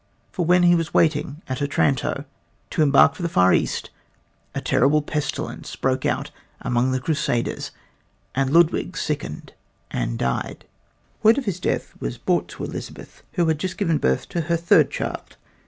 For when he was waiting at Otranto to embark for the far east, a terrible pestilence broke out among the crusaders and Ludwig sickened and died. Word of his death was brought to Elizabeth, who had just given birth to her third child.